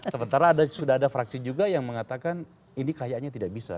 sementara sudah ada fraksi juga yang mengatakan ini kayaknya tidak bisa